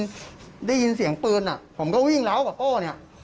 ได้ยินเสียงปืนผมก็วิ่งเล้ากับโป้เนี่ย